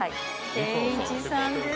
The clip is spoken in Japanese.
天一さんです。